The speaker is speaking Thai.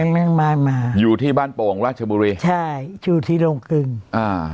แม่งมามาอยู่ที่บ้านโป่งราชบุรีใช่อยู่ที่โรงกึ่งอ่า